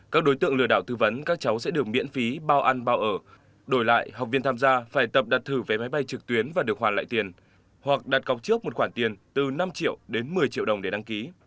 các đối tượng lừa đảo tư vấn các cháu sẽ được miễn phí bao ăn bao ở đổi lại học viên tham gia phải tập đặt thử vé máy bay trực tuyến và được hoàn lại tiền hoặc đặt cọc trước một khoản tiền từ năm triệu đến một mươi triệu đồng để đăng ký